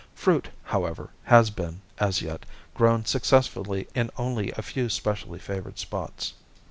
Fruit, however, has been, as yet, grown successfully in only a few specially favored spots.